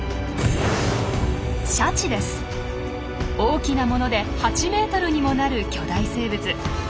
大きなもので８ｍにもなる巨大生物。